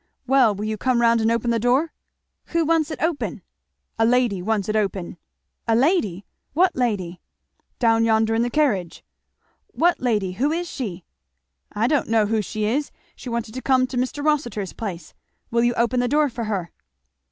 "Well will you come round and open the door?" "Who wants it open?" "A lady wants it open?" "A lady! what lady?" "Down yonder in the carriage." "What lady? who is she?" "I don't know who she is she wanted to come to Mr. Rossitur's place will you open the door for her?"